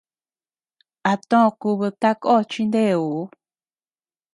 A too kubid tako chi neuu.